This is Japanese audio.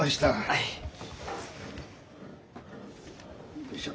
よいしょ。